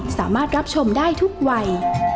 สามารถรับชมได้ทุกวัย